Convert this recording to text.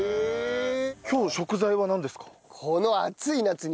今日食材はなんですか？